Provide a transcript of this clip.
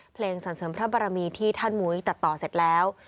เพลงสรรเสริมพระบารมีที่ท่านมุ้ยตัดต่อเสร็จแล้ว